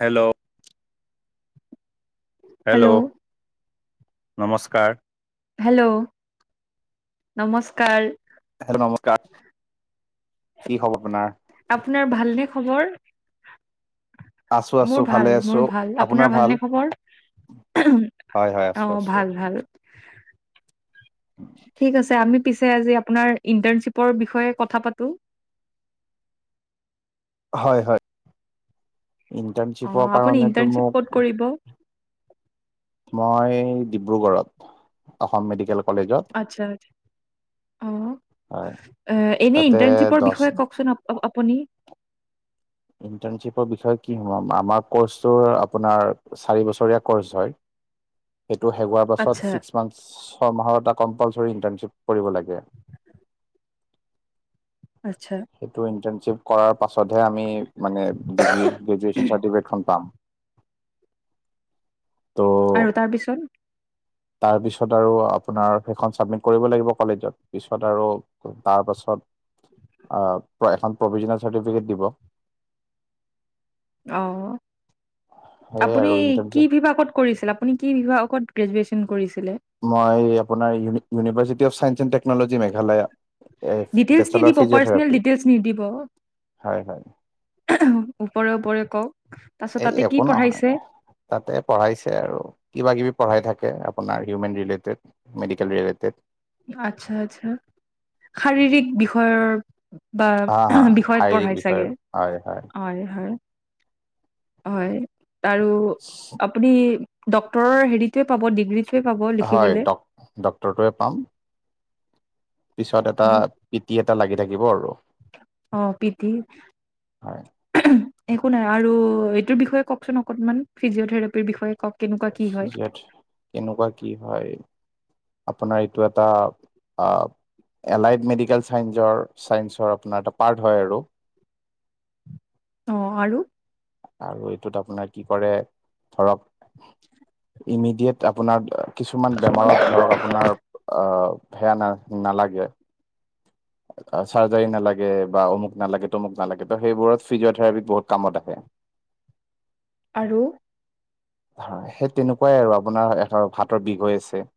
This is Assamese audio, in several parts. হেল্ল' হেল্ল' নমস্কাৰ হেল্ল' নমস্কাৰ হেল্ল' নমস্কাৰ, কি খবৰ আপোনাৰ? আপোনাৰ ভালনে খবৰ? আছো মোৰ আছো ভালে ভাল, আছো। মোৰ ভাল আপোনাৰ ভাল? ভালনে খবৰ? হয় হয় অ আছো আছো। ভাল ভাল ঠিক আছে আমি পিছে আজি আপোনাৰ ইন্টাৰ্নশ্বিপৰ বিষয়ে কথা পাতো হয় হয় ইন্টাৰ্ণশ্বিপৰ কাৰণেতো মোক দিব মই ডিব্ৰুগড়ত অসম মেডিকেল কলেজত আচ্ছা অ হয় এনে তাতে ইন্টাৰ্ণশ্বিপৰ দহ বিষয়ে কওচোন আ অ আপুনি? ইন্টাৰ্ণশ্বিপৰ বিষয়ে কি হোমাম আমাৰ ক্ৰছটো আপোনাৰ চাৰি বছৰীয়া ক্ৰছ হয় সেইটো শেষ হোৱাৰ বছত আচ্ছা ছিক্স মান ছয় মাহৰ এটা কম্পালচৰী ইন্টাৰ্ণশ্বিপ কৰিব লাগে আচ্ছা সেইটো ইন্টাৰ্ণশ্বিপ কৰাৰ পাছতহে আমি মানে ডিগ্ৰী গ্ৰেজুৱেচন চাৰ্টিফিকেটখন পাম আৰু তাৰপিছত তাৰ পিছত আৰু আপোনাৰ সেইখন চাবমিট কৰিব লাগিব কলেজত, পিছত আৰু তাৰ পাছত আহ এখন প্ৰভিজনেল চাৰ্টিফিকেট দিব অ সেয়ে আপুনি আৰু কি ইণ্টাৰ্ণশ্বিপ বিভাগত কৰিছিল আ আপুনি কি বিভাগকত গ্ৰেজুৱেশ্যন কৰিছিলে? মই আপোনাৰ ইউভাৰ্চিট অফ চাইন্ এণ্ টেকনলি [unintelligible] [unintelligible] এই ডিটেইলছ বেচেলৰ নিদিব পাৰ্চনেল ফিজিঅ'থেৰাপি, ডিটেইলছ নিদিব হয় হয়। ওপৰে ওপৰে কওক। তাৰপিছত এই তাতে কি একো নহয়। পঢ়াইছে তাতে পঢ়াইছে আৰু কিবা কিবি পঢ়াই থাকে আপোনাৰ হিউমেন ৰিলেটেড। Medical related. আচ্ছা-আচ্ছা' শাৰীৰিক বিষয়ৰ বা হা হা বিষয়ত শাৰীৰিক পঢ়াই বিষয়ৰ চাগে, হয় হয় হয়। হয় আৰু আপুনি ডক্তৰৰ হেৰিটোৱে পাব ডিগ্ৰী। হয়, ড-ডক্টৰটোৱে পাম। পিছত এটা পিটি এটা লাগি থাকিব আৰু। অঁ পিতি। হয় একো নাই আৰু এইটোৰ বিষয়ে কওঁকচোন অকণমান, ফিজিঅ'থেৰাপিৰ বিষয়ে কওক? কেনেকুৱা কি হয় [unintelligible] কেনেকুৱা কি হয়। আপোনাৰ এইটো এটা অহ'- এলাইড মেডিকেল ছাইসৰ ছাইন্সৰ আপোনাৰ এটা পাৰ্ট হয় আৰু। অঁ আৰু? আৰু এইটোত আপোনাৰ কি কৰে ধৰক- ইমিডিয়েট আপোনাৰ কিছুমান বেমাৰত ধৰক আপোনাৰ- অঁ [unintelligible] নালাগে। চাৰ্জাৰী নালাগে বা অমুক নালাগে, তমুক নালাগে, ত' সেইবোৰত ফিজিঅথেৰাপী বহুত কামত আহে। আৰু? সেই তেনেকুৱাই আৰু আপোনাৰ হাতৰ বিষ হৈ আছে।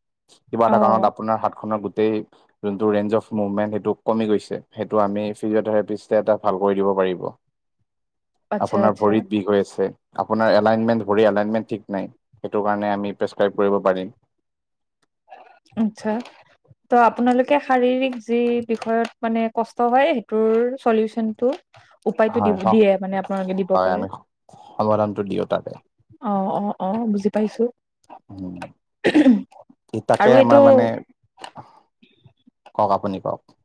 কিবা অ এটা কাৰণত আপোনাৰ হাত খনৰ গোটেই- যোনটো ৰেঞ্জ অফ মুভমেন্ট সেইটো কমি গৈছে সেইটো আমি ফিজিঅথেৰাপিষ্ট এটা ভাল কৰি দিব পাৰিব। [unintelligible] আচ্ছা আপোনাৰ আচ্ছা ভৰিত বিষ হৈ আছে, আপোনাৰ এলাইনমেণ্ট ভৰি এলাইনমেণ্ট- ঠিক নাই সেইটো কাৰণে আমি প্ৰেছক্ৰাইব কৰিব পাৰিম। আচ্ছা। ত' আপোনালোকে শাৰীৰিক যি বিষয়ত মানে কষ্ট হয় সেইটোৰ চলিউচনটো- উপায়টো হয় দি হ দিয়ে মানে আপোনালোকে দিব পাৰে। দিও তাতে। অহ'-অহ'-অহ' বুজি পাইছো। ই আৰু তাকে এইটো আমাৰ মানে, কওক আপুনি কওক?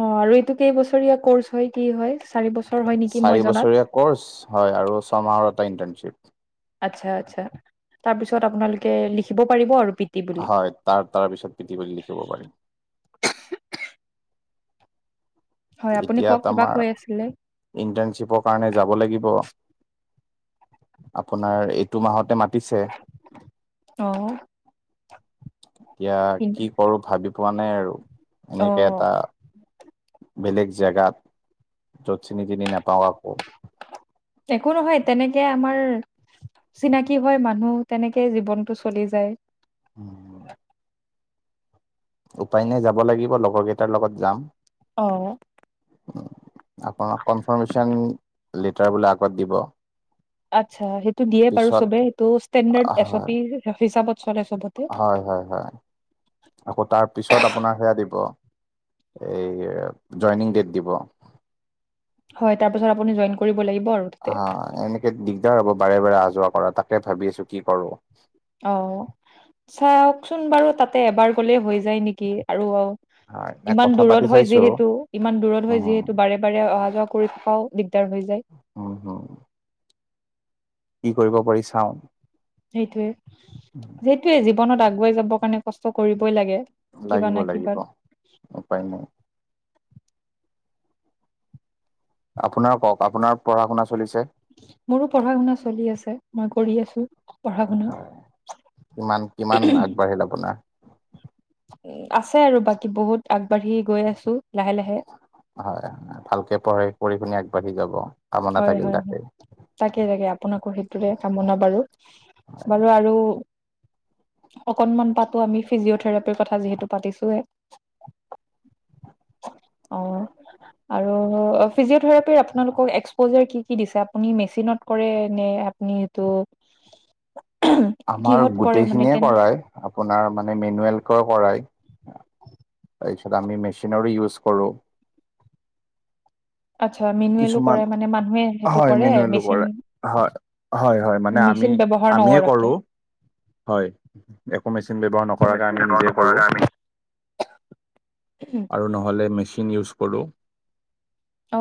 অঁ আৰু এইটো কেইবছৰীয়া কৰ্চ হয় কি হয়, চাৰি বছৰ- হয় নেকি মই চাৰি জনাত বছৰীয়া কৰ্চ হয় আৰু ছয়মাহৰ এটা ইণ্টাৰ্ণশ্বিপ। আচ্ছা-আচ্ছা' তাৰপিছত আপোনালোকে লিখিব পাৰিব আৰু- টি বুলি হয় তাৰ তাৰ পিছত [unintelligible] লিখিব পাৰিম। হয় আপুনি এতিয়া কওক কিবা আমাৰ কৈ আছিলে ইণ্টাৰ্ণশ্বিপৰ কাৰণে যাব লাগিব। আপোনাৰ এইটো মাহতে মাতিছে। অঁ। এতিয়া কি কৰো ভাবি পোৱা নাই আৰু অ এনেকে এটা- বেলেগ জেগাত, য'ত চিনি চিনি নাপাওঁ কাকো। একো নহয় তেনেকে আমাৰ- চিনাকি হয় মানুহ তেনেকে জীৱনটো চলি যায় উম উপায় নাই যাব লাগিব লগৰ কেইটাৰ লগত যাম অ আপোনাৰ কনফাৰ্মেশচন লেটাৰ বোলে আগত দিব আচ্ছা সেইটো দিয়ে বাৰু পিছত চবে সেইটো ষ্টেণ্ডাৰ্ড এছ অ' হয় পি হিচাপত চলে চবতে। হয় হয় হয় আকৌ তাৰ পিছত আপোনাৰ সেয়া দিব এই জইনিং ডেট দিব হয় তাৰ পিছত আপুনি জইন কৰিব লাগিব আৰু তাতে অ এনেকে দিগদাৰ হ'ব বাৰে বাৰে অহা যোৱা কৰা তাকে ভাবি আছো কি কৰো অ চাওকচোন বাৰু তাতে এবাৰ গ'লে হৈ যায় নেকি আৰু হয় নাই ইমান কথা পাতি দূৰত হয় চাইছো যিহেতু ইমান দূৰত হয় উম যিহেতু বাৰে একবাৰে অহা যোৱা কৰি থকাও দিগদাৰ হৈ যায় উম হম কি কৰিব পাৰি চাও সেইটোয়ে যিহেতু জীৱনত আগুৱাই যাবৰ কাৰণে কষ্ট কৰিবই লাগে কিবা লাগিব না কিবা লাগিব উপায় নাই আপোনাৰ কওক আপোনাৰ পঢ়া শুনা চলিছে মোৰো পঢ়া শুনা চলি আছে মই কৰি আছো পঢ়া শুনা হয়। কিমান কিমান বাঢ়িল আপোনাৰ আছে আৰু বাকী বহুত আগবাঢ়ি গৈ আছো লাহে লাহে হয় ভালকে পঢ়াই পঢ়ি পিনে আগবাঢ়ি যাব কামনা হয় থাকিল হয় হয় তাকেই তাকে তাকে আপোনাকো সেইটোৰে কামনা বাৰু আৰু অকনমান তাতো আমি ফিজিঅথেৰাপিৰ কথা যিহেতু পাতিছোৱে অ আৰু ফিজিঅ থেৰাপিৰ আপোনালোক কি কি দিছে আপুনি মেচিনত কৰে নে আপুনি সেটো আমাৰ গোটেইখিনিয়ে কেনে কৰায় আপোনাৰ মানে মেনুৱেলকৈ কৰায় তাৰপিছত আমি মেচিনৰো ইউজ কৰো আচ্ছা মেনুৱেলো কিছুমান কৰে মানে মানুহে সেইটো হয় কৰে মেচিন মিনুৱেলৰে হয় হয় হয় মানে আমি মেচিন ব্যৱহাৰ আমিয়ে নকৰাকে কৰো [unintelligible] হয় একো মেচিন ব্যৱহাৰ নকৰাকে মেচিন আমি ব্যৱহাৰ নিজে নকৰাকে কৰোঁ আমি আৰু নহ'লে মেচিন ইউজ কৰোঁ অ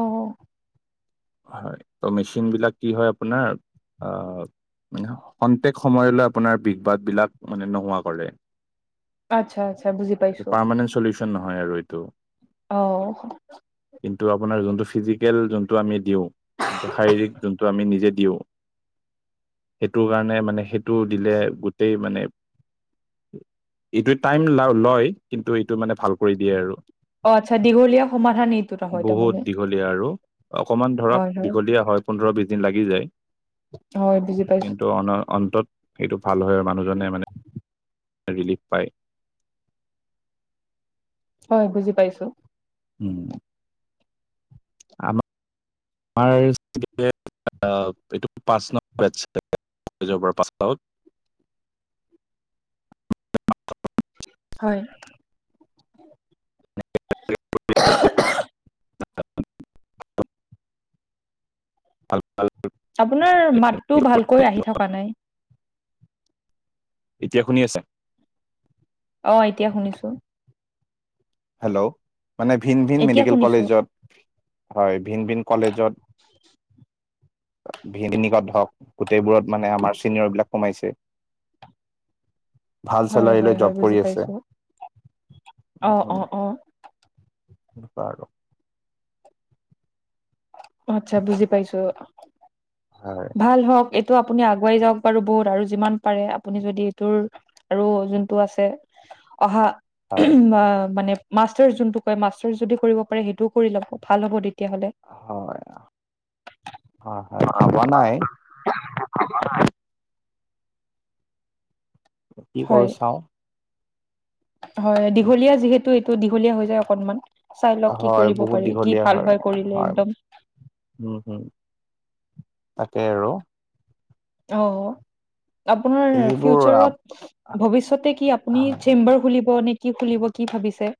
হয় ত মেচিন বিলাক কি হয় আপোনাৰ অহ খন্তেক সময়লৈ আপোনাৰ বিষবাদ বিলাক মানে নোহোৱা কৰে আচ্ছা আচ্ছা বুজি পাইছো পাৰমানেণ্ট চলিউচন নহয় আৰু এইটো অ কিন্তু আপোনাৰ যোনটো ফিজিকেল যোনটো আমি দিওঁ শাৰীৰিক যোনটো আমি নিজে দিওঁ সেইটোৰ কাৰণে মানে সেই টো দিলে গোটেই মানে এইটোৱে টাইম ল লয় কিন্তু এইটো মানে ভাল কৰি দিয়ে আৰু অ আচ্ছা দীঘলীয়া সমাধান এইটো এটা হয় তাৰমানে অকণমান ধৰক দীঘলীয়া হয় পোন্ধৰ বিছ দিন লাগি যায় হয় বুজি পাইছো কিন্তু অন অন্তত সেইটো ভাল হয় মানুহজনে মানে ৰিলিফ পায় হয় বুজি পাইছো [unintelligible] [unintelligible] হয় [unintelligible] [unintelligible] আপোনাৰ মাততটো ভালকৈ আহি থকা নাই এতিয়া শুনি আছা অ এতিয়া শুনিছো হেল্ল' মানে ভিন ভিন এতিয়া মেডিকেল শুনিছো কলেজত হয় ভিন ভিন কলেজত [unintelligible] ভি হওক গোটেইবোৰত মানে আমাৰ চিনিয়ৰ বিলাক সোমাইছে [unintelligible] ভাল হয় চেলাৰী লৈ হয় জব হয় বুজি কৰি আছে পাইছো অ অ অ বাৰু আচ্ছা বুজি পাইছো হয় ভাল হওঁক এইটো আপুনি আগুৱাই যাওক বাৰু বহুত আৰু যিমান পাৰে আপুনি যদি এইটোৰ আৰু যোনটো আছে অহা হয় হয় উম মানে মাষ্টাৰ যোনটো কয় মাৰ যদি কৰিব পাৰে সেইটোও কৰি ল'ব ভাল হ'ব তেতিয়াহ'লে হয় হয় হয় ভাবা নাই [unintelligible] কি হয় কৰো চাওঁ হয় দীঘলীয়া যিহেতু এইটো দীঘলীয়া হৈ যায় অকণমান চাই লওক কি হয় কৰিব বহুত পাৰি কি দীঘলীয়া ভাল হয় কৰিলে একদম হয় হয় তাকে আৰু অ আপোনাৰ এইবোৰ ফিউচাৰত ভৱিষ্যতে কি আপুনি চেম্বাৰ খুলিব নে? কি খুলিব কি ভাবিছে?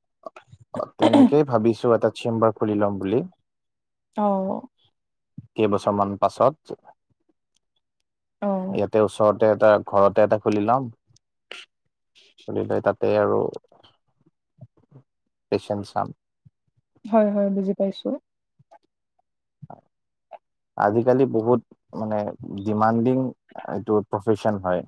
অ তেনেকেই ভাবিছো এটা চেম্বাৰ খুলি ল'ম বুলি। অ কেইবছৰ মান পাছত অ', ইয়াতে ওচৰতে এটা ঘৰতে এটা খুলি লম তুলি লৈ তাতে আৰু পেচেণ্ট চাম হয় হয় বুজি পাইছোঁ আজিকালি বহুত মানে ডিমাণ্ডিং এইটো প্ৰফেশচন হয়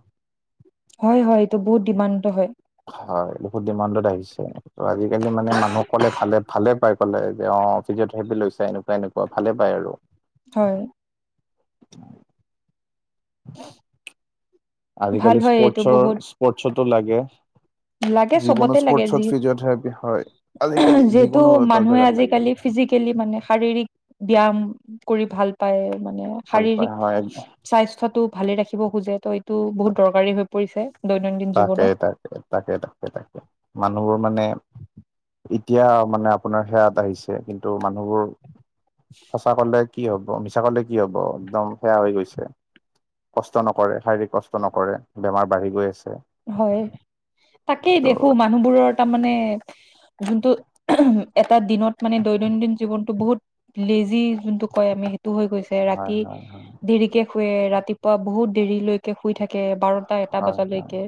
হয় হয় এইটো বহুত ডিমাণ্ডটো হয় হয় বহুত ডিমাণ্ডত আহিছে ত আজিকালি মানে মানুহক কলে ভালে ভালে পায় কলে যে অ [unintelligible] লৈছা এনেকুৱা এনেকুৱা ভালে পায় আৰু হয় ভাল আজিকালি হয় এইটো স্পৰ্টছৰ বহুত স্পৰ্টছতো লাগে লাগে যিকোনো চবতে লাগে যি স্পৰ্টছত ফিজিঅথেৰাপি হয় আজিকালি যিহেতু যিকোনো এটা মানুহে জেগাত লাগে আজিকালি ফিজিকেলি মানে শাৰীৰিক ব্যায়াম কৰি ভাল পায় মানে ভাল পাই শাৰীৰিক হয় স্বাস্থ্যতটো ভালে ৰাখিব খোজে ত' এইটো বহুত দৰকাৰী হৈ পৰিছে দৈনন্দিন তাকে জীৱনত। তাকে তাকে তাকে তাকে মানুহবোৰ মানে এতিয়া মানে আপোনাৰ সেয়াত আহিছে কিন্তু মানুহবোৰ সঁচা কলে কি হ'ব মিছা কলে কি হ'ব একদম সেয়া হৈ গৈছে কষ্ট নকৰে শাৰীৰিক কষ্ট নকৰে বেমাৰ বাঢ়ি গৈ আছে। হয় তাকেই দেখো ত' মানুহবোৰৰ তাৰমানে যোনটো এটা দিনত মানে দৈনন্দিন জীৱনটো বহুত লেজি যোনটো কয় আমি সেইটো হৈ গৈছো হয় ৰাতি হয় হয় দেৰিকে শুুৱে ৰাতিপুৱা বহুত দেৰিলৈ শুই থাকে বাৰটা এটা হয় হয় বজালৈকে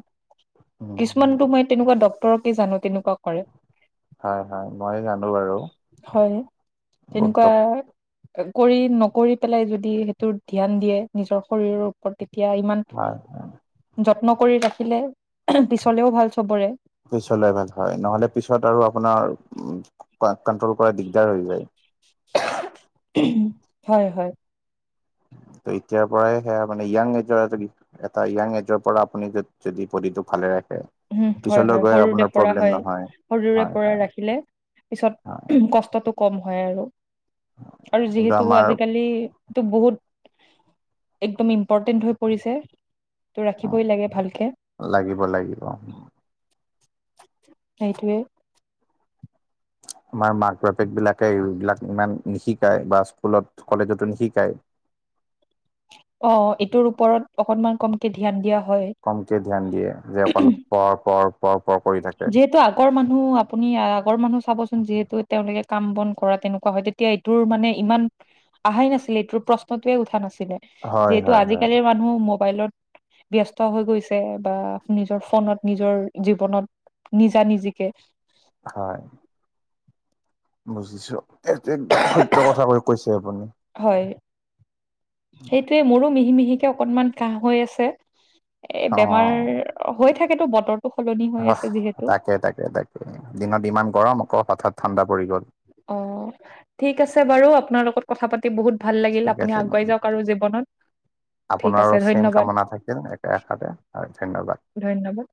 উম উম কিছুমানতো মই তেনেকুৱা ডকক্তৰকে জানো হয় হয় মই জানো বাৰু তেনেকুৱা হয় তেনেকুৱা বহুতক কৰি নকৰি পেলাই যদি সেইটো ধ্যান দিয়ে নিজৰ শৰীৰৰ তেতিয়া ইমান হয় যত্ন কৰি ৰাখিলে পিছলেও ভাল চবৰে পিছলৈ ভাল হয় নহলে পিছত আৰু আপোনাৰ উম কন্ট্ৰল কৰা দিগদাৰ হৈ যায় হয় হয় ত এতিয়াৰ পৰাই সেয়া মানে য়াং এইজৰ এজনী এটা য়াং এজৰ পৰা আপুনি যদি বদিটোক ভালে ৰাখে উম হয় পিছলৈ হয় গৈ সৰুৰে আপোনাৰ পৰা প্ৰব্লেম হয় নহয় সৰুৰে হয় পৰা হয় ৰাখিলে হয় পিছত কষ্টটো কম হয় আৰু আৰু কিন্তু যিহেতু আমাৰ আজিকালি টো বহুত একদম ইম্পৰ্টেণ্ট হৈ পৰিছে ত' ৰাখিবই লাগে ভালকে লাগিব লাগিব সেইটোৱে আমাৰ মাক বাপেক বিলাকে এইবিলাক ইমান নিশিকায় বা স্কুলত কলেজতো নিশিকায় অ এইটোৰ ওপৰত অকনমান কমকে ধ্যান দিয়া হয় কমকে ধ্যান দিয়ে যে অকল পৰ পৰ পৰ পৰ কৰি থাকে যিহেতু আগৰ মানুহ আপুনি আগৰ মানুহ চাবচোন যিহেতু তেওঁলোকে কাম বন কৰা তেনেকুৱা হয় এতিয়া এইটোৰ মানে ইমান আহাই নাছিলে এইটোৰ প্ৰশ্নটোয়ে উঠা নাছিলে হয় যিহেতু হয় হয় আজিকালিৰ মানুহ মোৰ মোবাইলত ব্যস্ত হৈ গৈছে বা নিজৰ ফোনত নিজৰ জীৱনত নিজা নিজিকে হয় বুজিছো এইটো একদম সত্য কথা কৈ কৈছে আপুনি হয় সেইটোৱে মোৰো মিহি মিহিকে অকনমান কাহ হৈ আছে এ অ বেমাৰ হৈ থাকেতো বতৰ অহ তাকে তাকে তাকে দিনত ইমান গৰম আকৌ হঠাৎ ঠাণ্ডা পৰি গ'ল অ ঠিক আছে বাৰু আপোনাৰ লগত কথা পাতি বহুত ভাল লাগিল ঠিক আপুনি আছে আগুৱাই যাওক আৰু জীৱনত ঠিক আছে আপোনাৰো চেম ধন্যবাদ কামনা থাকিল একে আশাতে হয় ধন্যবাদ ধ্যনবাদ